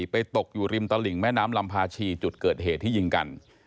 ตกอยู่ริมตลิ่งแม่น้ำลำพาชีจุดเกิดเหตุที่ยิงกัน